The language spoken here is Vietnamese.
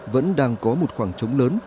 vẫn đang có một khoảng trống lớn